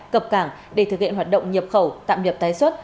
cập cảng để thực hiện hoạt động nhập khẩu tạm nhập tái xuất